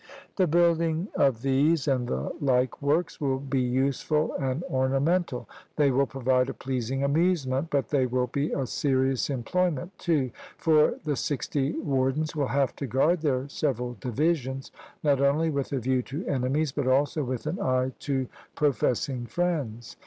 The building of these and the like works will be useful and ornamental; they will provide a pleasing amusement, but they will be a serious employment too; for the sixty wardens will have to guard their several divisions, not only with a view to enemies, but also with an eye to professing friends.